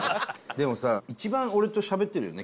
でもさ一番俺としゃべってるよね？